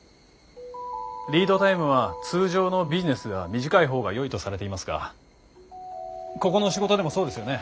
リードタイムは通常のビジネスでは短い方がよいとされていますがここの仕事でもそうですよね？